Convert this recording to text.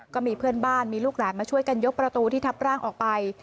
ก็มีเพื่อนบ้านมีลูกหลานมาช่วยกันยกประตูที่ทับร่างออกไป